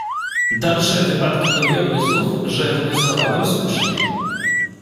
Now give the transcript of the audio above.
"Dalsze wypadki dowiodły znów, że wnioskowałem słusznie."